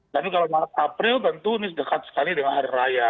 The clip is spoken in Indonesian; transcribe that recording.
tapi kalau maret april tentu ini dekat sekali dengan hari raya